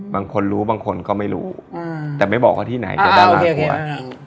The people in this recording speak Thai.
บางคนรู้บางคนก็ไม่รู้แต่ไม่บอกว่าที่ไหนเดี๋ยวดาราคว่า